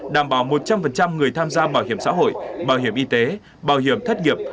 đảm bảo một trăm linh người tham gia bảo hiểm xã hội bảo hiểm y tế bảo hiểm thất nghiệp